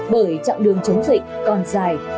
bởi chặng đường chống dịch còn dài